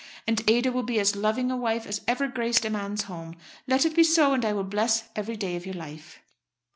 And Ada will be as loving a wife as ever graced a man's home. Let it be so, and I will bless every day of your life."